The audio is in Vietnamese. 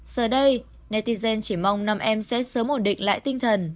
giờ đây netizen chỉ mong nam em sẽ sớm ổn định lại tinh thần